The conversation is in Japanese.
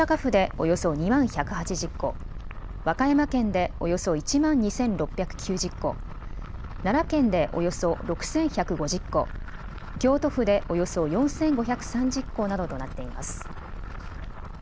およそ２万１８０戸、和歌山県でおよそ１万２６９０戸、奈良県でおよそ６１５０戸、京都府でおよそ４５３０戸などとなっています。